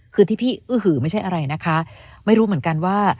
คือที่พี่อื้อหือไม่ใช่อะไรนะคะไม่รู้เหมือนกันว่า